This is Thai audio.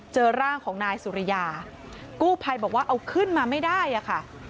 เจอร่างของนายสุริยากู้ภัยบอกว่าเอาขึ้นมาไม่ได้อะค่ะ